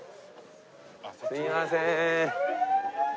すいません。